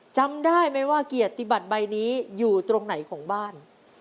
จำได้ไหมว่าเกียรติบัตรใบนี้อยู่ตรงไหนของบ้าน